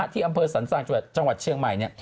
ที่อำเภอศรรษน์ครณารันดรเชียงใหม่